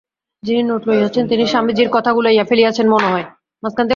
যিনি নোট লইয়াছেন, তিনি স্বামীজীর কথা গুলাইয়া ফেলিয়াছেন, মনে হয়।